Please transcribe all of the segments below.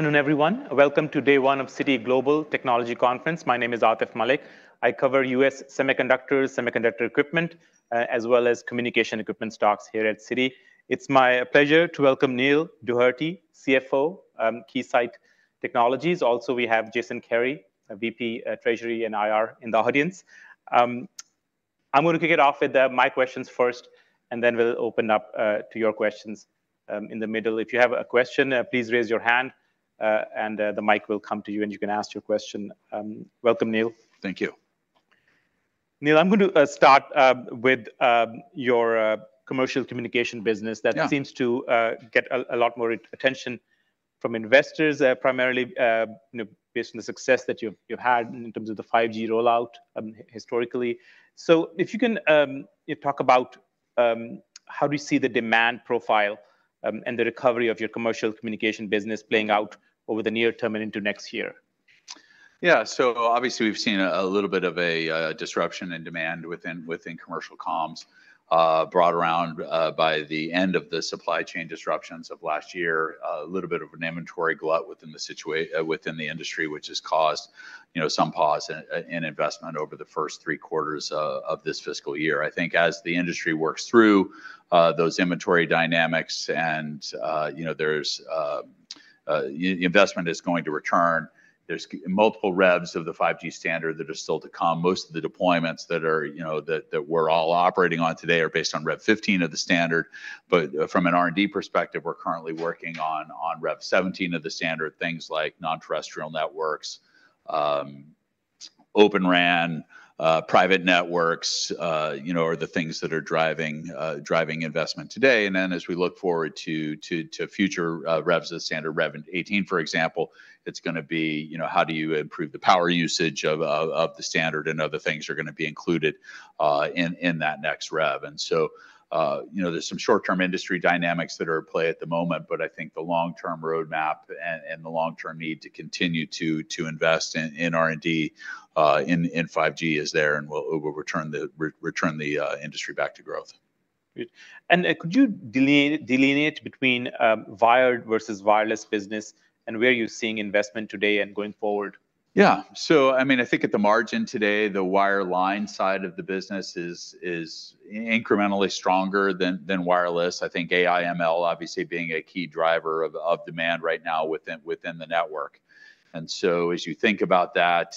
Good afternoon, everyone. Welcome to day one of Citi Global Technology Conference. My name is Atif Malik. I cover U.S. semiconductors, semiconductor equipment, as well as communication equipment stocks here at Citi. It's my pleasure to welcome Neil Dougherty, CFO, Keysight Technologies. Also, we have Jason Kary, a VP at Treasury and IR in the audience. I'm going to kick it off with my questions first, and then we'll open up to your questions in the middle. If you have a question, please raise your hand, and the mic will come to you, and you can ask your question. Welcome, Neil. Thank you. Neil, I'm going to start with your commercial communication business- Yeah That seems to get a lot more attention from investors, primarily, you know, based on the success that you've had in terms of the 5G rollout, historically. So if you can talk about how do you see the demand profile and the recovery of your commercial communication business playing out over the near term and into next year? Yeah. So obviously, we've seen a little bit of a disruption in demand within commercial comms brought about by the end of the supply chain disruptions of last year. A little bit of an inventory glut within the industry, which has caused, you know, some pause in investment over the first three quarters of this fiscal year. I think as the industry works through those inventory dynamics and, you know, there's investment is going to return. There's multiple Revs of the 5G standard that are still to come. Most of the deployments that are, you know, that we're all operating on today are based on Rel 15 of the standard. But, from an R&D perspective, we're currently working on Rel 17 of the standard, things like non-terrestrial networks, Open RAN, private networks, you know, are the things that are driving investment today. And then, as we look forward to future revs of the standard, Rel 18, for example, it's gonna be, you know, how do you improve the power usage of the standard, and other things are gonna be included in that next rev. And so, you know, there's some short-term industry dynamics that are at play at the moment, but I think the long-term roadmap and the long-term need to continue to invest in R&D in 5G is there, and will return the industry back to growth. Great. Could you delineate between wired versus wireless business, and where are you seeing investment today and going forward? Yeah. So, I mean, I think at the margin today, the wireline side of the business is incrementally stronger than wireless. I think AI, ML, obviously, being a key driver of demand right now within the network. And so, as you think about that,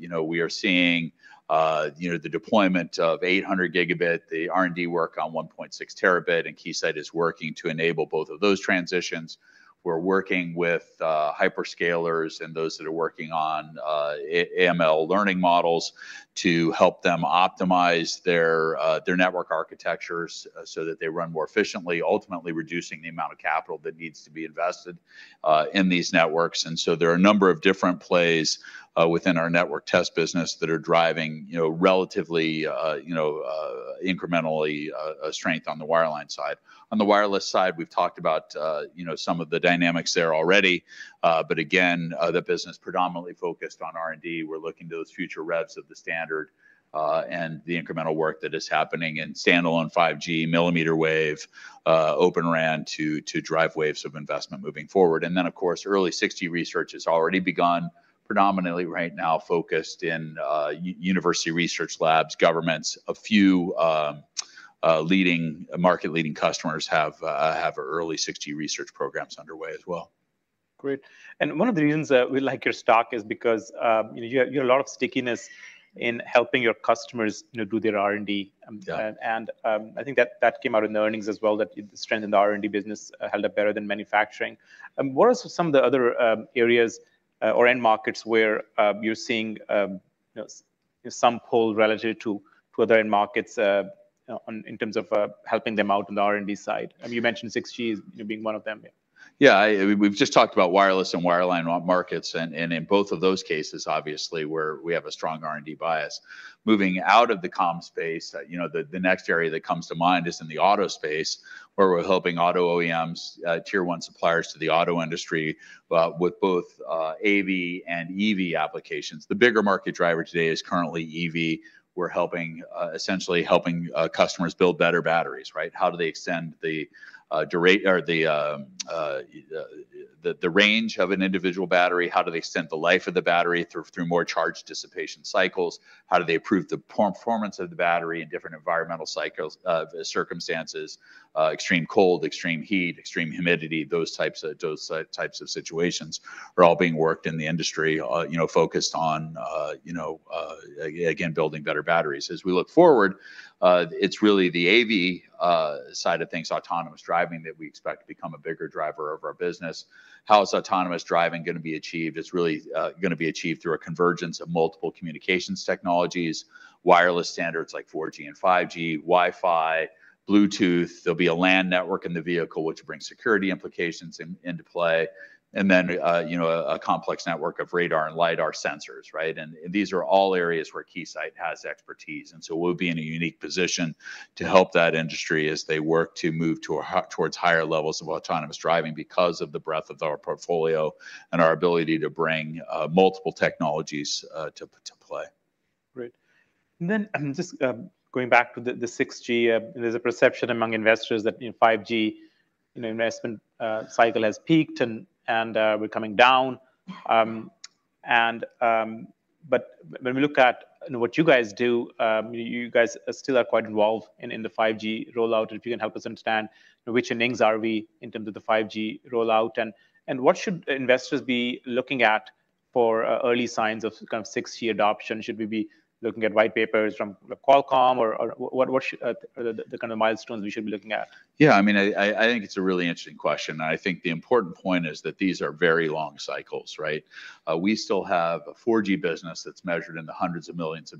you know, we are seeing the deployment of 800 gigabit, the R&D work on 1.6 terabit, and Keysight is working to enable both of those transitions. We're working with hyperscalers and those that are working on AI, ML learning models to help them optimize their network architectures so that they run more efficiently, ultimately reducing the amount of capital that needs to be invested in these networks. And so there are a number of different plays within our network test business that are driving, you know, relatively, you know, incrementally, a strength on the wireline side. On the wireless side, we've talked about, you know, some of the dynamics there already, but again, the business predominantly focused on R&D. We're looking to those future revs of the standard, and the incremental work that is happening in standalone 5G, millimeter wave, Open RAN, to drive waves of investment moving forward. And then, of course, early 6G research has already begun, predominantly right now focused in university research labs, governments. A few leading market-leading customers have early 6G research programs underway as well. Great. One of the reasons we like your stock is because, you know, you have a lot of stickiness in helping your customers, you know, do their R&D. Yeah. I think that came out in the earnings as well, that you strengthened the R&D business, held up better than manufacturing. What are some of the other areas or end markets where you're seeing you know some pull relative to other end markets in terms of helping them out on the R&D side? You mentioned 6G you know being one of them. Yeah, we've just talked about wireless and wireline markets, and in both of those cases, obviously, we have a strong R&D bias. Moving out of the comms space, you know, the next area that comes to mind is in the auto space, where we're helping auto OEMs, Tier one suppliers to the auto industry, with both AV and EV applications. The bigger market driver today is currently EV. We're helping, essentially helping, customers build better batteries, right? How do they extend the range of an individual battery? How do they extend the life of the battery through more charge dissipation cycles? How do they improve the performance of the battery in different environmental cycles, circumstances, extreme cold, extreme heat, extreme humidity? Those types of situations are all being worked in the industry, you know, focused on, you know, again, building better batteries. As we look forward, it's really the AV side of things, autonomous driving, that we expect to become a bigger driver of our business. How is autonomous driving gonna be achieved? It's really gonna be achieved through a convergence of multiple communications technologies, wireless standards like 4G and 5G, Wi-Fi, Bluetooth. There'll be a LAN network in the vehicle, which brings security implications into play, and then, you know, a complex network of radar and Lidar sensors, right? These are all areas where Keysight has expertise, and so we'll be in a unique position to help that industry as they work to move towards higher levels of autonomous driving because of the breadth of our portfolio and our ability to bring multiple technologies to play.... Great. And then, just, going back to the 6G, there's a perception among investors that, you know, 5G, you know, investment cycle has peaked, and we're coming down. But when we look at, you know, what you guys do, you guys are still quite involved in the 5G rollout. If you can help us understand which innings are we in terms of the 5G rollout, and what should investors be looking at for early signs of kind of 6G adoption? Should we be looking at white papers from Qualcomm or what should the kind of milestones we should be looking at? Yeah, I mean, I think it's a really interesting question, and I think the important point is that these are very long cycles, right? We still have a 4G business that's measured in the $hundreds of millions,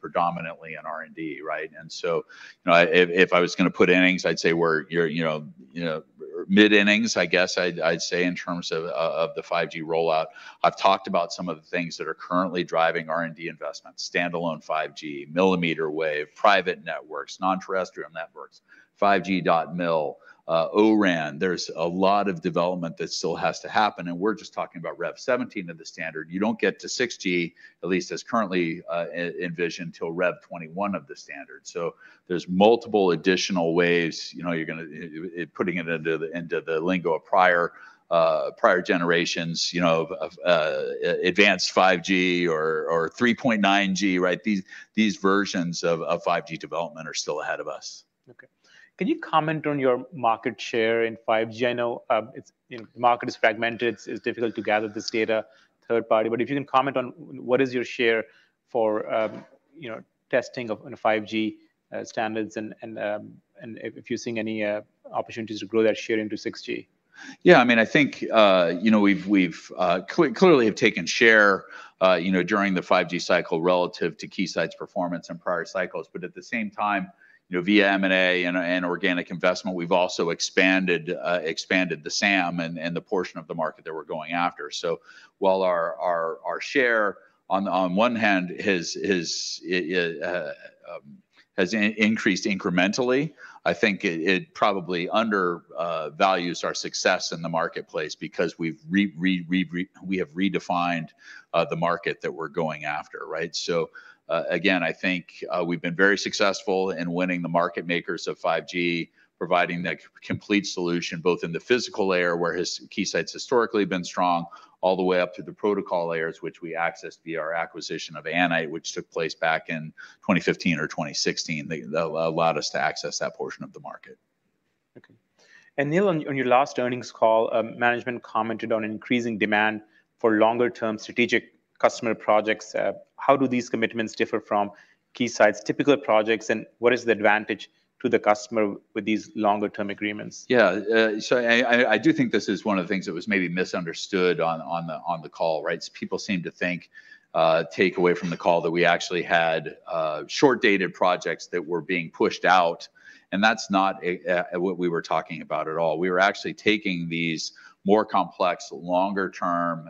predominantly in R&D, right? And so, you know, if I was gonna put innings, I'd say we're, you're, you know, you know, mid innings, I guess I'd say in terms of of the 5G rollout. I've talked about some of the things that are currently driving R&D investments: standalone 5G, millimeter wave, private networks, non-terrestrial networks, 5G.MIL, O-RAN. There's a lot of development that still has to happen, and we're just talking about Rev 17 of the standard. You don't get to 6G, at least as currently envisioned, till Rel 21 of the standard. There's multiple additional ways, you know, you're gonna putting it into the, into the lingo of prior, prior generations, you know, of, of, advanced 5G or, or 3.9G, right? These, these versions of, of 5G development are still ahead of us. Okay. Can you comment on your market share in 5G? I know, it's, you know, the market is fragmented. It's difficult to gather this data, third-party, but if you can comment on what is your share for, you know, testing of, on 5G standards, and if you're seeing any opportunities to grow that share into 6G. Yeah, I mean, I think, you know, we've clearly have taken share, you know, during the 5G cycle relative to Keysight's performance in prior cycles. But at the same time, you know, via M&A and organic investment, we've also expanded the SAM and the portion of the market that we're going after. So while our share on one hand has increased incrementally, I think it probably undervalues our success in the marketplace because we have redefined the market that we're going after, right? So, again, I think, we've been very successful in winning the market makers of 5G, providing that complete solution, both in the physical layer, where Keysight's historically been strong, all the way up to the protocol layers, which we accessed via our acquisition of Anite, which took place back in 2015 or 2016. That allowed us to access that portion of the market. Okay. Neil, on your last earnings call, management commented on increasing demand for longer-term strategic customer projects. How do these commitments differ from Keysight's typical projects, and what is the advantage to the customer with these longer-term agreements? Yeah, so I do think this is one of the things that was maybe misunderstood on the call, right? So people seem to think take away from the call that we actually had short-dated projects that were being pushed out, and that's not what we were talking about at all. We were actually taking these more complex, longer-term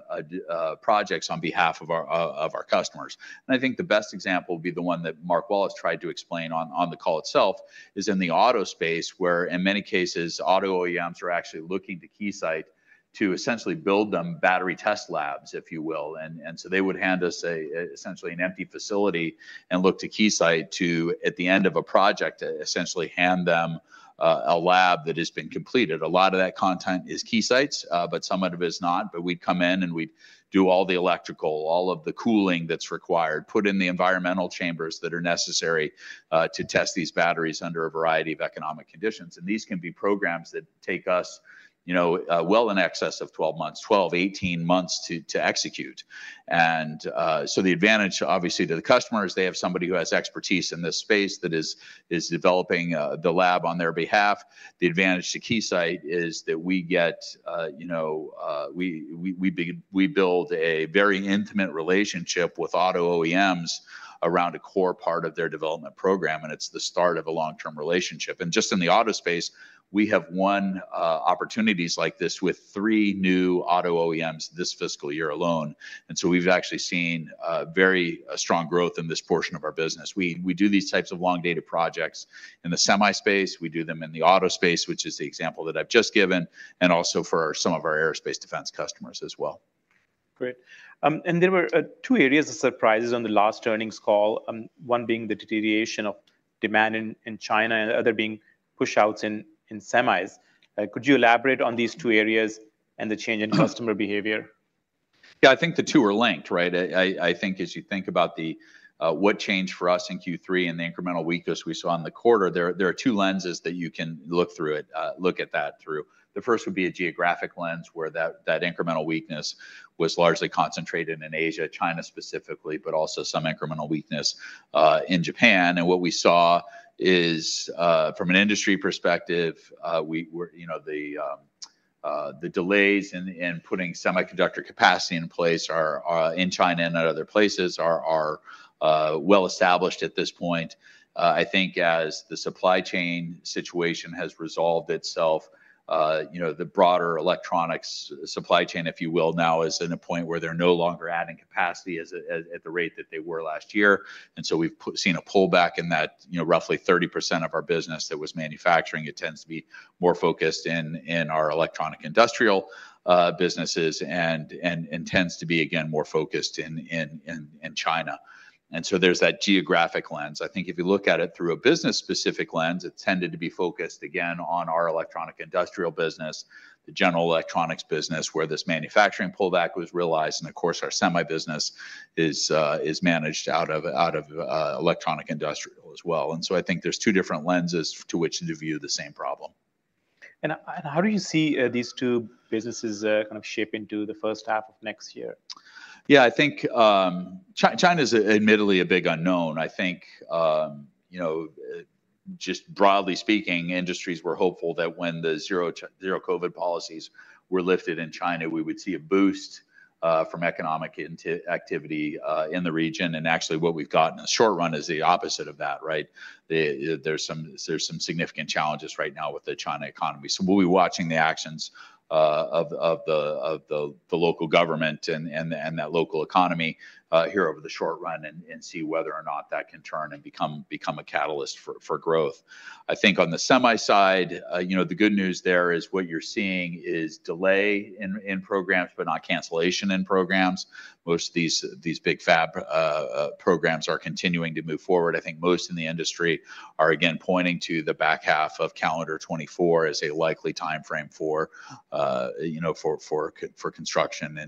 projects on behalf of our customers. And I think the best example would be the one that Mark Wallace tried to explain on the call itself, is in the auto space, where, in many cases, auto OEMs are actually looking to Keysight to essentially build them battery test labs, if you will. So they would hand us an empty facility and look to Keysight to, at the end of a project, essentially hand them a lab that has been completed. A lot of that content is Keysight's, but some of it is not. But we'd come in, and we'd do all the electrical, all of the cooling that's required, put in the environmental chambers that are necessary to test these batteries under a variety of economic conditions. And these can be programs that take us, you know, well in excess of 12 months, 12-18 months to execute. So the advantage, obviously, to the customer is they have somebody who has expertise in this space that is developing the lab on their behalf. The advantage to Keysight is that we get, you know, we build a very intimate relationship with auto OEMs around a core part of their development program, and it's the start of a long-term relationship. And just in the auto space, we have won opportunities like this with three new auto OEMs this fiscal year alone, and so we've actually seen very strong growth in this portion of our business. We do these types of long-dated projects in the semi space. We do them in the auto space, which is the example that I've just given, and also for some of our aerospace defense customers as well. Great. There were two areas of surprises on the last earnings call, one being the deterioration of demand in China, and the other being pushouts in semis. Could you elaborate on these two areas and the change in customer behavior? Yeah, I think the two are linked, right? I think as you think about the what changed for us in Q3 and the incremental weakness we saw in the quarter, there are two lenses that you can look through it, look at that through. The first would be a geographic lens, where that incremental weakness was largely concentrated in Asia, China specifically, but also some incremental weakness in Japan. And what we saw is, from an industry perspective, we were, you know, the delays in putting semiconductor capacity in place are in China and at other places are well established at this point. I think as the supply chain situation has resolved itself, you know, the broader electronics supply chain, if you will, now is in a point where they're no longer adding capacity at the rate that they were last year. And so we've seen a pullback in that, you know, roughly 30% of our business that was manufacturing. It tends to be more focused in our electronic industrial businesses and tends to be, again, more focused in China. And so there's that geographic lens. I think if you look at it through a business-specific lens, it tended to be focused again on our electronic industrial business, the general electronics business, where this manufacturing pullback was realized, and of course, our semi business is managed out of electronic industrial as well. I think there's two different lenses to which to view the same problem.... And how do you see these two businesses kind of shape into the first half of next year? Yeah, I think, China's a, admittedly a big unknown. I think, you know, just broadly speaking, industries were hopeful that when the zero COVID policies were lifted in China, we would see a boost, from economic activity, in the region, and actually what we've got in the short run is the opposite of that, right? There's some significant challenges right now with the China economy. So we'll be watching the actions, of the local government and that local economy, here over the short run and see whether or not that can turn and become a catalyst for growth. I think on the semi side, you know, the good news there is what you're seeing is delay in programs, but not cancellation in programs. Most of these big fab programs are continuing to move forward. I think most in the industry are again pointing to the back half of calendar 2024 as a likely timeframe for, you know, construction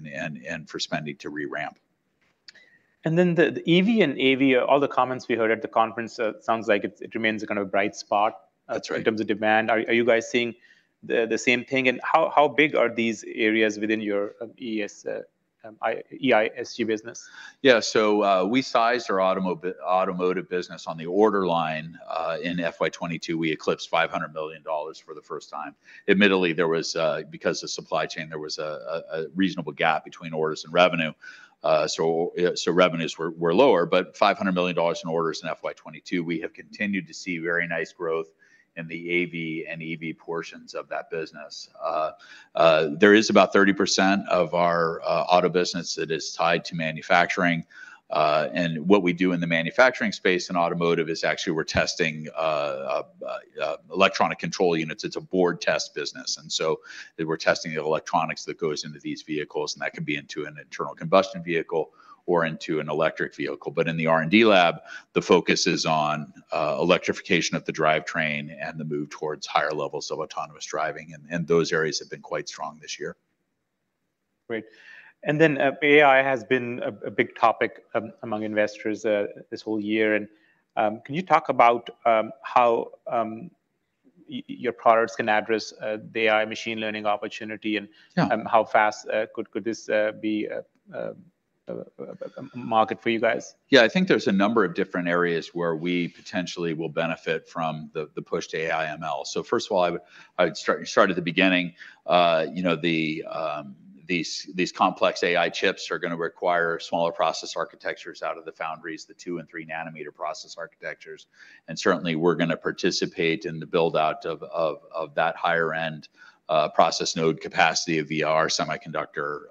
and for spending to re-ramp. Then the EV and AV, all the comments we heard at the conference, sounds like it remains a kind of a bright spot- That's right in terms of demand. Are you guys seeing the same thing, and how big are these areas within your EISG business? Yeah. So, we sized our automotive business on the order line. In FY 2022, we eclipsed $500 million for the first time. Admittedly, there was, because of supply chain, there was a reasonable gap between orders and revenue. So, revenues were lower, but $500 million in orders in FY 2022, we have continued to see very nice growth in the AV and EV portions of that business. There is about 30% of our auto business that is tied to manufacturing, and what we do in the manufacturing space in automotive is actually we're testing electronic control units. It's a board test business, and so we're testing the electronics that goes into these vehicles, and that can be into an internal combustion vehicle or into an electric vehicle. But in the R&D lab, the focus is on electrification of the drivetrain and the move towards higher levels of autonomous driving, and those areas have been quite strong this year. Great. And then, AI has been a big topic among investors this whole year, and, can you talk about how your products can address the AI machine learning opportunity, and- Yeah How fast could this be a market for you guys? Yeah, I think there's a number of different areas where we potentially will benefit from the push to AI/ML. So first of all, I would start at the beginning. You know, these complex AI chips are gonna require smaller process architectures out of the foundries, the 2- and 3-nanometer process architectures. And certainly, we're gonna participate in the build-out of that higher-end process node capacity via our semiconductor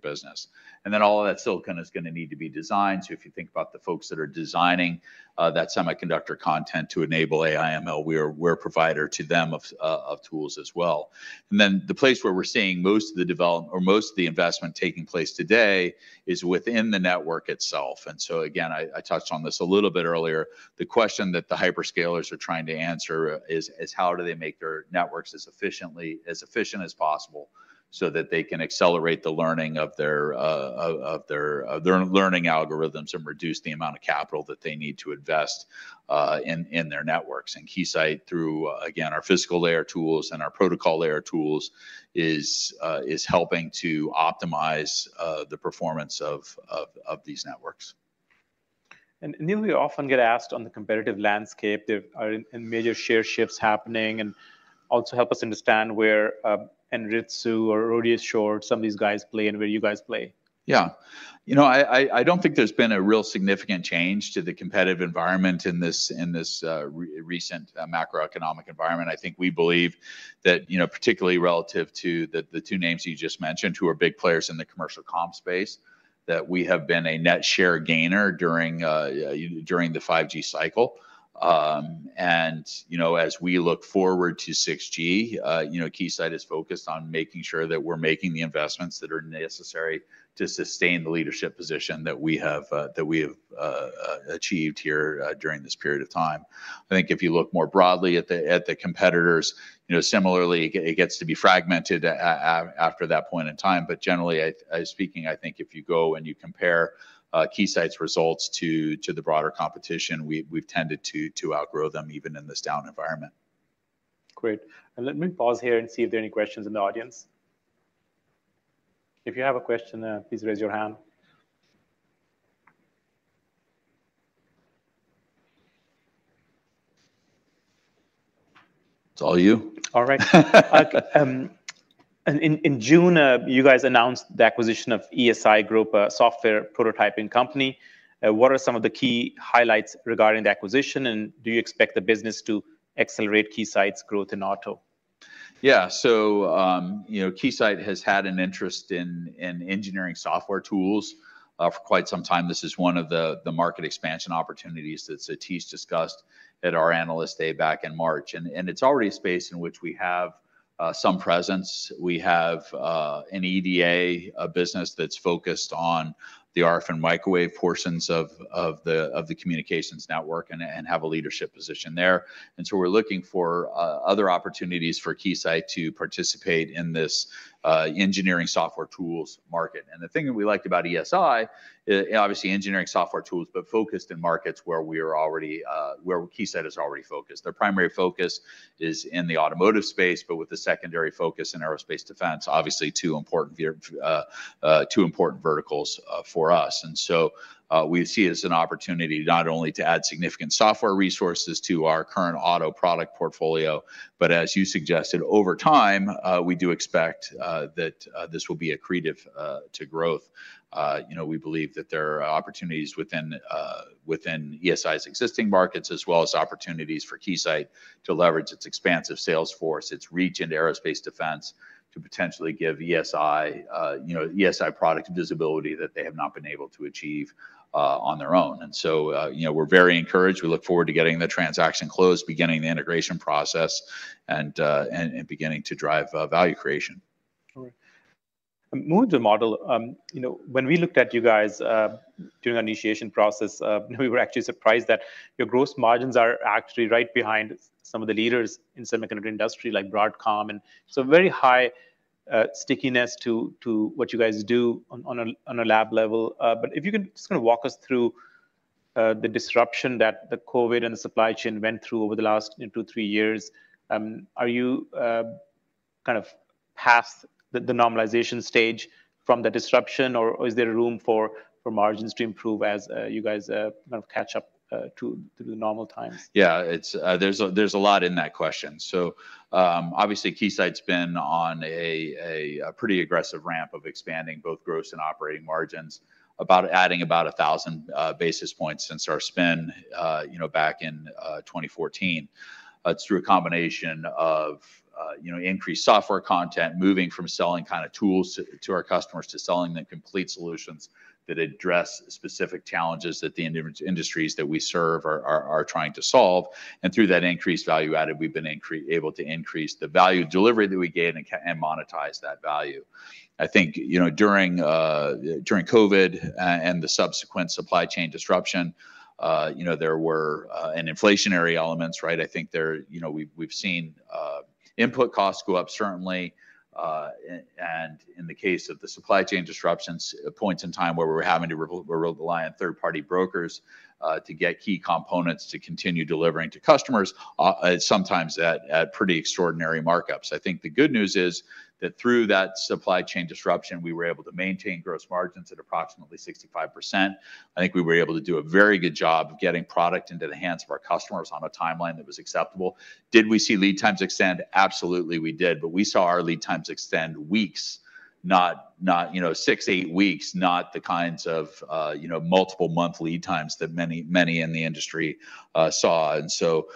business. And then, all of that silicon is gonna need to be designed. So if you think about the folks that are designing that semiconductor content to enable AI/ML, we're a provider to them of tools as well. And then the place where we're seeing most of the investment taking place today is within the network itself. And so again, I touched on this a little bit earlier. The question that the hyperscalers are trying to answer is: how do they make their networks as efficiently, as efficient as possible so that they can accelerate the learning of their of their learning algorithms and reduce the amount of capital that they need to invest in their networks? And Keysight, through, again, our physical layer tools and our protocol layer tools, is helping to optimize the performance of these networks. And, Neil, we often get asked on the competitive landscape, there are and major share shifts happening, and also help us understand where, Anritsu or Rohde & Schwarz, some of these guys play and where you guys play. Yeah. You know, I don't think there's been a real significant change to the competitive environment in this recent macroeconomic environment. I think we believe that, you know, particularly relative to the two names you just mentioned, who are big players in the commercial comm space, that we have been a net share gainer during the 5G cycle. And, you know, as we look forward to 6G, you know, Keysight is focused on making sure that we're making the investments that are necessary to sustain the leadership position that we have achieved here during this period of time. I think if you look more broadly at the competitors, you know, similarly, it gets to be fragmented after that point in time. But generally speaking, I think if you go and you compare Keysight's results to the broader competition, we've tended to outgrow them even in this down environment. Great. Let me pause here and see if there are any questions in the audience. If you have a question, please raise your hand. It's all you. All right. And in, in June, you guys announced the acquisition of ESI Group, a software prototyping company. What are some of the key highlights regarding the acquisition, and do you expect the business to accelerate Keysight's growth in auto?... Yeah, so, you know, Keysight has had an interest in, in engineering software tools, for quite some time. This is one of the market expansion opportunities that Satish discussed at our Analyst Day back in March. And it's already a space in which we have some presence. We have an EDA, a business that's focused on the RF and microwave portions of the communications network, and have a leadership position there. And so we're looking for other opportunities for Keysight to participate in this engineering software tools market. And the thing that we liked about ESI, obviously, engineering software tools, but focused in markets where we're already where Keysight is already focused. Their primary focus is in the automotive space, but with a secondary focus in aerospace defense, obviously, two important verticals, for us. And so, we see it as an opportunity not only to add significant software resources to our current auto product portfolio, but as you suggested, over time, we do expect that this will be accretive to growth. You know, we believe that there are opportunities within ESI's existing markets, as well as opportunities for Keysight to leverage its expansive sales force, its reach into aerospace defense, to potentially give ESI, you know, ESI product visibility that they have not been able to achieve on their own. And so, you know, we're very encouraged. We look forward to getting the transaction closed, beginning the integration process, and beginning to drive value creation. All right. Moving to the model, you know, when we looked at you guys during our initiation process, we were actually surprised that your gross margins are actually right behind some of the leaders in semiconductor industry like Broadcom, and so very high stickiness to what you guys do on a lab level. But if you can just kind of walk us through the disruption that the COVID and the supply chain went through over the last 2, 3 years. Are you kind of past the normalization stage from the disruption, or is there room for margins to improve as you guys kind of catch up to the normal times? Yeah, it's, there's a lot in that question. So, obviously, Keysight's been on a pretty aggressive ramp of expanding both gross and operating margins, about adding about 1,000 basis points since our spin, you know, back in 2014. It's through a combination of, you know, increased software content, moving from selling kind of tools to our customers, to selling them complete solutions that address specific challenges that the industries that we serve are trying to solve. And through that increased value added, we've been able to increase the value delivery that we get and monetize that value. I think, you know, during COVID and the subsequent supply chain disruption, you know, there were and inflationary elements, right? I think there... You know, we've seen input costs go up, certainly, and in the case of the supply chain disruptions, points in time where we were having to rely on third-party brokers to get key components to continue delivering to customers, sometimes at pretty extraordinary markups. I think the good news is that through that supply chain disruption, we were able to maintain gross margins at approximately 65%. I think we were able to do a very good job of getting product into the hands of our customers on a timeline that was acceptable. Did we see lead times extend? Absolutely, we did. But we saw our lead times extend weeks, not you know, six, eight weeks, not the kinds of you know, multiple-month lead times that many, many in the industry saw. So,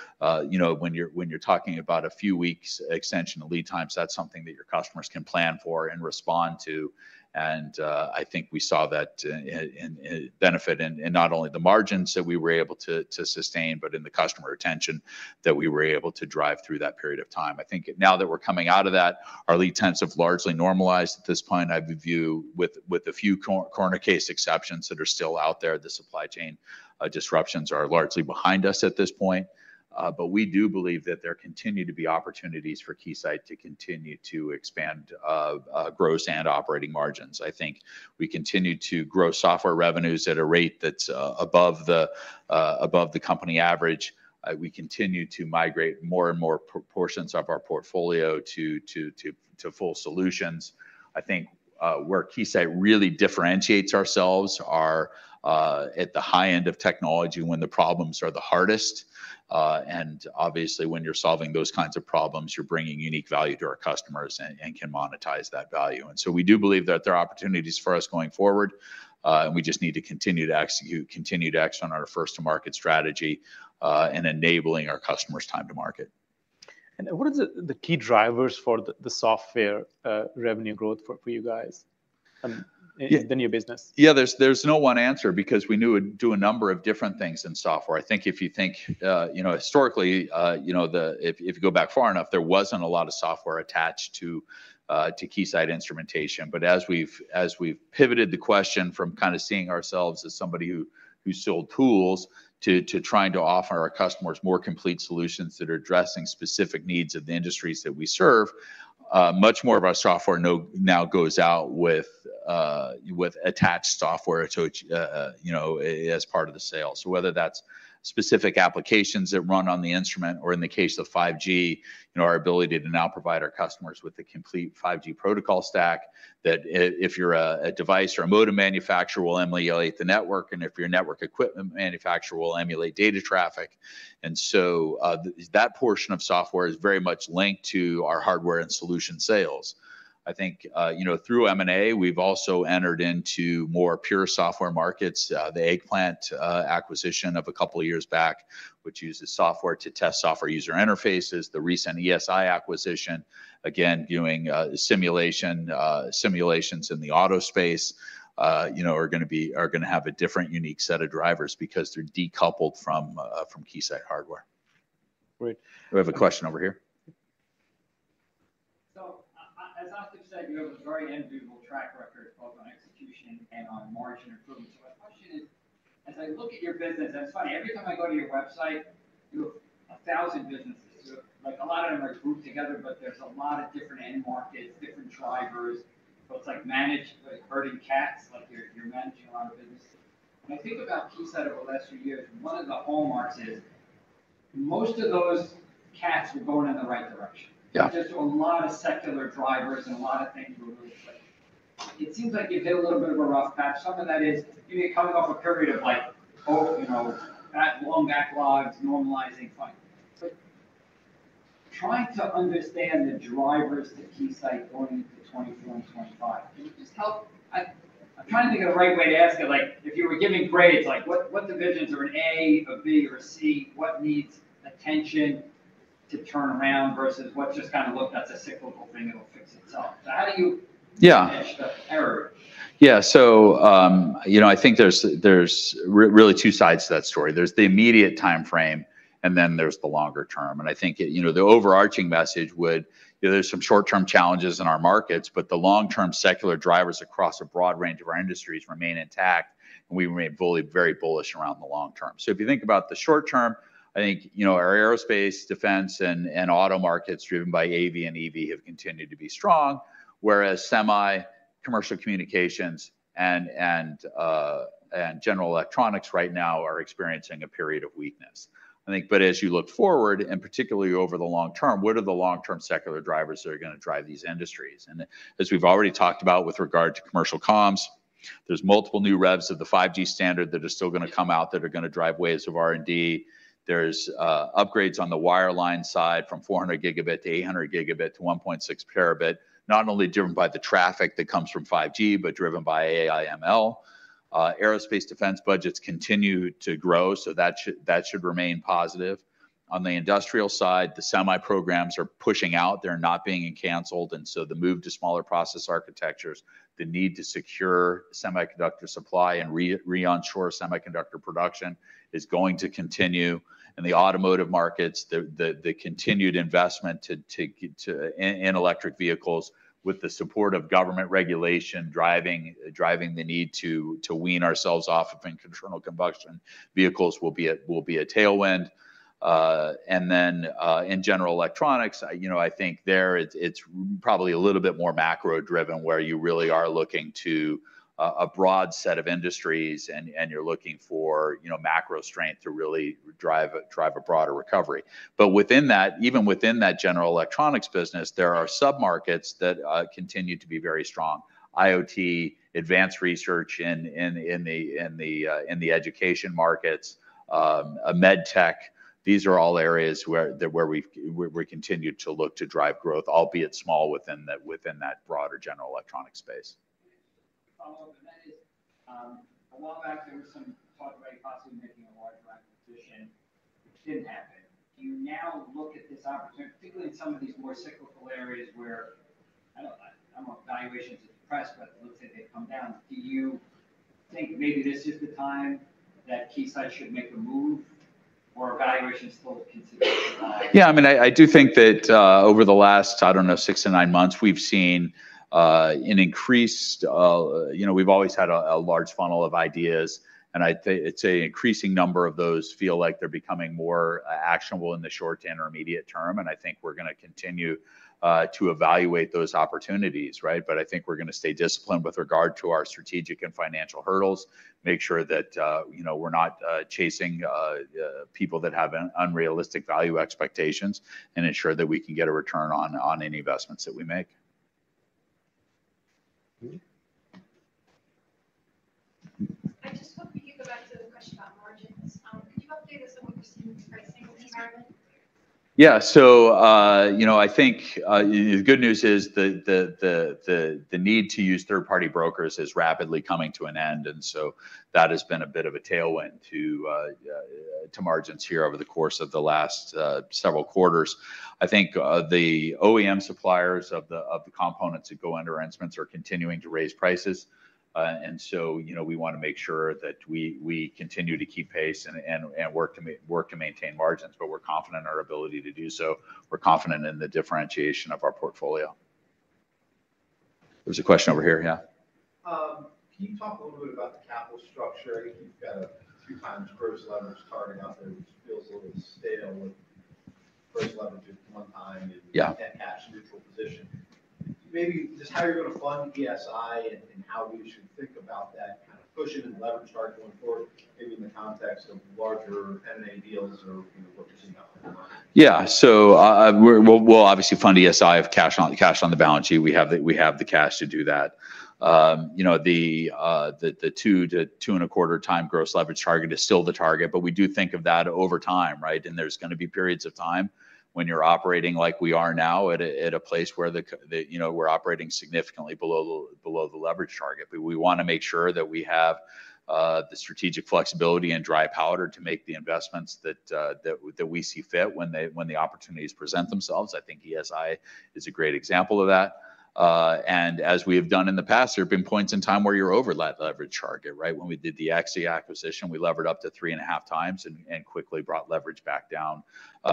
you know, when you're talking about a few weeks extension of lead times, that's something that your customers can plan for and respond to. I think we saw that in benefit in not only the margins that we were able to sustain, but in the customer retention that we were able to drive through that period of time. I think now that we're coming out of that, our lead times have largely normalized. At this point, I've a view with a few corner case exceptions that are still out there. The supply chain disruptions are largely behind us at this point. But we do believe that there continue to be opportunities for Keysight to continue to expand gross and operating margins. I think we continue to grow software revenues at a rate that's above the company average. We continue to migrate more and more proportions of our portfolio to full solutions. I think where Keysight really differentiates ourselves are at the high end of technology when the problems are the hardest. And obviously, when you're solving those kinds of problems, you're bringing unique value to our customers and can monetize that value. And so we do believe that there are opportunities for us going forward, and we just need to continue to execute, continue to action on our first-to-market strategy, and enabling our customers' time to market. What are the key drivers for the software revenue growth for you guys in the new business? Yeah, there's no one answer because we do a number of different things in software. I think if you think, you know, historically, you know, if you go back far enough, there wasn't a lot of software attached to Keysight instrumentation. But as we've pivoted the question from kind of seeing ourselves as somebody who sold tools to trying to offer our customers more complete solutions that are addressing specific needs of the industries that we serve, much more of our software now goes out with attached software, you know, as part of the sale. So whether that's specific applications that run on the instrument, or in the case of 5G, you know, our ability to now provide our customers with the complete 5G protocol stack, that if you're a device or a modem manufacturer, we'll emulate the network, and if you're a network equipment manufacturer, we'll emulate data traffic. And so, that portion of software is very much linked to our hardware and solution sales. I think, you know, through M&A, we've also entered into more pure software markets. The Eggplant acquisition of a couple of years back, which uses software to test software user interfaces. The recent ESI acquisition, again, doing simulations in the auto space, you know, are gonna have a different unique set of drivers because they're decoupled from Keysight hardware. Great. We have a question over here. So as Satish said, you have a very enviable track record, both on execution and on margin improvement. So my question is, as I look at your business, that's funny, every time I go to your website, you have 1,000 businesses. You have, like, a lot of them are grouped together, but there's a lot of different end markets, different drivers. So it's like herding cats, like you're managing a lot of business. When I think about Keysight over the last few years, one of the hallmarks is, most of those cats are going in the right direction. Yeah. There's a lot of secular drivers and a lot of things were really quick. It seems like you've hit a little bit of a rough patch. Some of that is, you know, coming off a period of like, oh, you know, that long backlogs, normalizing, fine. So trying to understand the drivers to Keysight going into 2024 and 2025, can you just help. I'm trying to think of the right way to ask it. Like, if you were giving grades, like, what, what divisions are an A, a B, or a C? What needs attention to turn around versus what's just kind of, "Look, that's a cyclical thing, it'll fix itself"? So how do you- Yeah Catch the error? Yeah. So, you know, I think there's really two sides to that story. There's the immediate time frame, and then there's the longer term. And I think, you know, the overarching message would, you know, there's some short-term challenges in our markets, but the long-term secular drivers across a broad range of our industries remain intact, and we remain fully very bullish around the long term. So if you think about the short term, I think, you know, our aerospace, defense, and auto markets, driven by AV and EV, have continued to be strong, whereas semi, commercial communications, and general electronics right now are experiencing a period of weakness. I think, but as you look forward, and particularly over the long term, what are the long-term secular drivers that are going to drive these industries? As we've already talked about with regard to commercial comms, there's multiple new revs of the 5G standard that are still gonna come out, that are gonna drive waves of R&D. There's upgrades on the wireline side, from 400 gigabit to 800 gigabit to 1.6 terabit, not only driven by the traffic that comes from 5G, but driven by AI, ML. Aerospace defense budgets continue to grow, so that should, that should remain positive. On the industrial side, the semi programs are pushing out. They're not being canceled, and so the move to smaller process architectures, the need to secure semiconductor supply and re-onshore semiconductor production is going to continue. In the automotive markets, the continued investment in electric vehicles, with the support of government regulation, driving the need to wean ourselves off of internal combustion vehicles, will be a tailwind. And then, in general electronics, you know, I think it's probably a little bit more macro-driven, where you really are looking to a broad set of industries and you're looking for, you know, macro strength to really drive a broader recovery. But within that, even within that general electronics business, there are submarkets that continue to be very strong. IoT, advanced research in the education markets, med tech, these are all areas where we've continued to look to drive growth, albeit small, within that broader general electronic space. Follow up, and that is, a while back, there was some talk about possibly making a large acquisition, which didn't happen. Do you now look at this opportunity, particularly in some of these more cyclical areas, where I don't, I know valuations are depressed, but it looks like they've come down. Do you think maybe this is the time that Keysight should make a move, or are valuations still considered high? Yeah, I mean, I do think that over the last, I don't know, 6-9 months, we've seen an increased. You know, we've always had a large funnel of ideas, and I'd say it's an increasing number of those feel like they're becoming more actionable in the short to intermediate term, and I think we're gonna continue to evaluate those opportunities, right? But I think we're gonna stay disciplined with regard to our strategic and financial hurdles, make sure that, you know, we're not chasing people that have an unrealistic value expectations, and ensure that we can get a return on any investments that we make. I just hope we can go back to the question about margins. Could you update us on what you're seeing in the pricing environment? Yeah. So, you know, I think, the good news is the need to use third-party brokers is rapidly coming to an end, and so that has been a bit of a tailwind to margins here over the course of the last several quarters. I think, the OEM suppliers of the components that go into our instruments are continuing to raise prices. And so, you know, we want to make sure that we continue to keep pace and work to maintain margins, but we're confident in our ability to do so. We're confident in the differentiation of our portfolio. There's a question over here. Yeah. Can you talk a little bit about the capital structure? You've got a 3x gross leverage targeting out there, which feels a little stale, with gross leverage at 1x- Yeah ...and that cash neutral position... Maybe just how you're going to fund ESI and how we should think about that kind of pushing the leverage target going forward, maybe in the context of larger M&A deals or, you know, what you're seeing out there? Yeah. So, we'll obviously fund ESI with cash on the balance sheet. We have the cash to do that. You know, the 2-2.25x gross leverage target is still the target, but we do think of that over time, right? And there's going to be periods of time when you're operating like we are now at a place where, you know, we're operating significantly below the leverage target. But we want to make sure that we have the strategic flexibility and dry powder to make the investments that we see fit when the opportunities present themselves. I think ESI is a great example of that. And as we have done in the past, there have been points in time where you're overleverage target, right? When we did the Ixia acquisition, we levered up to 3.5 times and quickly brought leverage back down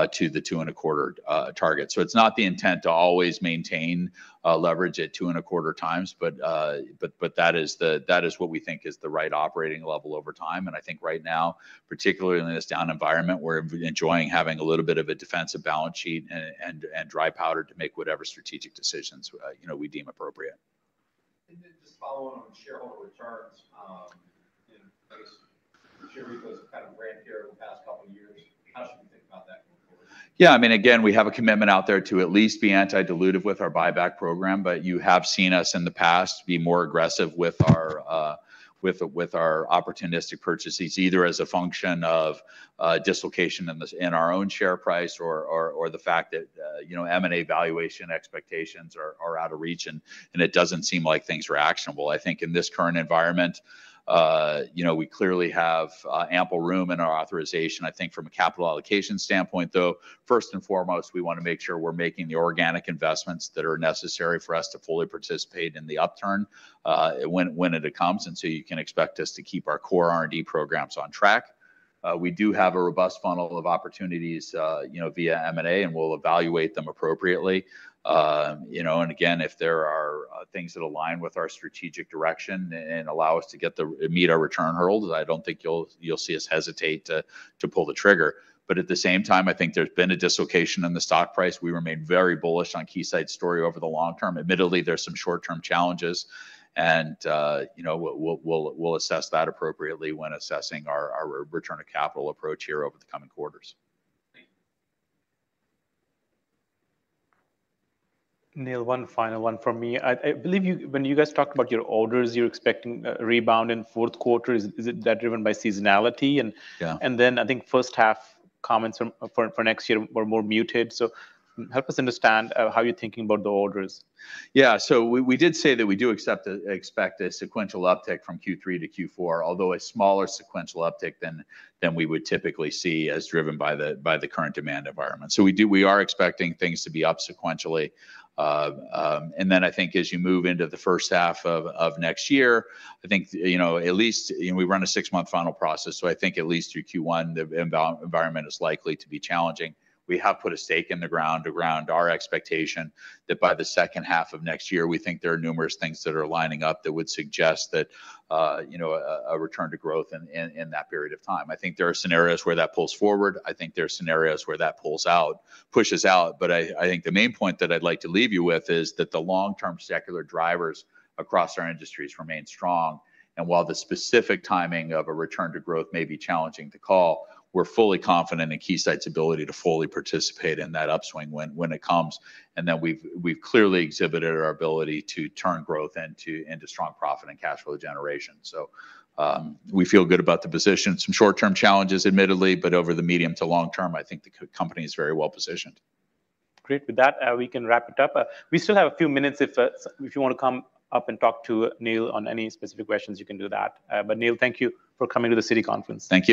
to the 2.25 target. So it's not the intent to always maintain leverage at 2.25 times, but that is what we think is the right operating level over time. And I think right now, particularly in this down environment, we're enjoying having a little bit of a defensive balance sheet and dry powder to make whatever strategic decisions, you know, we deem appropriate. And then just following on shareholder returns, you know, I guess, share repurchases kind of ran here over the past couple of years. How should we think about that going forward? Yeah, I mean, again, we have a commitment out there to at least be anti-dilutive with our buyback program. But you have seen us in the past be more aggressive with our opportunistic purchases, either as a function of dislocation in our own share price or the fact that, you know, M&A valuation expectations are out of reach, and it doesn't seem like things are actionable. I think in this current environment, you know, we clearly have ample room in our authorization. I think from a capital allocation standpoint, though, first and foremost, we want to make sure we're making the organic investments that are necessary for us to fully participate in the upturn, when it comes. And so you can expect us to keep our core R&D programs on track. We do have a robust funnel of opportunities, you know, via M&A, and we'll evaluate them appropriately. You know, and again, if there are things that align with our strategic direction and allow us to meet our return hurdles, I don't think you'll see us hesitate to pull the trigger. But at the same time, I think there's been a dislocation in the stock price. We remain very bullish on Keysight's story over the long term. Admittedly, there are some short-term challenges, and, you know, we'll assess that appropriately when assessing our return on capital approach here over the coming quarters. Thank you. Neil, one final one from me. I believe you when you guys talked about your orders, you're expecting a rebound in fourth quarter. Is it that driven by seasonality? And- Yeah. And then I think first half comments from for next year were more muted. So help us understand how you're thinking about the orders? Yeah. So we did say that we expect a sequential uptick from Q3 to Q4, although a smaller sequential uptick than we would typically see as driven by the current demand environment. So we are expecting things to be up sequentially. And then I think as you move into the first half of next year, I think, you know, at least, you know, we run a six-month funnel process, so I think at least through Q1, the environment is likely to be challenging. We have put a stake in the ground around our expectation that by the second half of next year, we think there are numerous things that are lining up that would suggest that, you know, a return to growth in that period of time. I think there are scenarios where that pulls forward. I think there are scenarios where that pulls out, pushes out. But I think the main point that I'd like to leave you with is that the long-term secular drivers across our industries remain strong. And while the specific timing of a return to growth may be challenging to call, we're fully confident in Keysight's ability to fully participate in that upswing when it comes. And that we've clearly exhibited our ability to turn growth into strong profit and cash flow generation. So, we feel good about the position. Some short-term challenges, admittedly, but over the medium to long term, I think the company is very well positioned. Great. With that, we can wrap it up. We still have a few minutes if, if you want to come up and talk to Neil on any specific questions, you can do that. But, Neil, thank you for coming to the Citi Conference. Thank you.